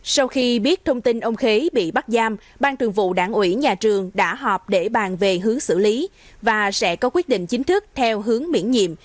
sau khi biết thông tin ông khế bị bắt giam ban thường vụ đảng ủy nhà trường đã họp để bàn về hướng xử lý và sẽ có quyết định chính thức theo hướng miễn nhiệm